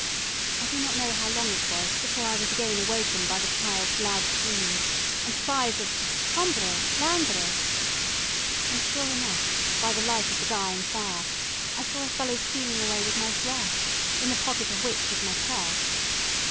I do not know how long it was before I was again awoke by the child's loud screams and cries of "Hombro landro;" and sure enough, by the light of the dying fire, I saw a fellow stealing away with my dress, in the pocket of which was my purse.